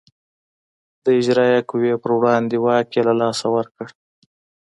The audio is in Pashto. د اجرایه قوې پر وړاندې واک یې له لاسه ورکړ.